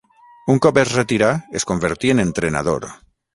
Un cop es retirà, es convertí en entrenador.